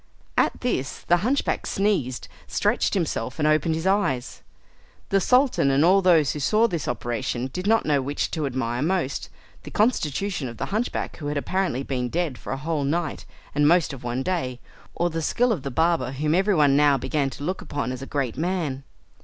At this the hunchback sneezed, stretched himself and opened his eyes. The Sultan and all those who saw this operation did not know which to admire most, the constitution of the hunchback who had apparently been dead for a whole night and most of one day, or the skill of the barber, whom everyone now began to look upon as a great man.